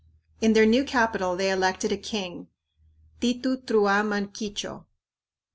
In their new capital, they elected a king, Titi Truaman Quicho.